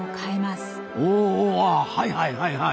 おあはいはいはいはい。